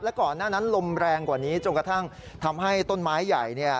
ก่อนหน้านั้นลมแรงกว่านี้จนกระทั่งทำให้ต้นไม้ใหญ่เนี่ย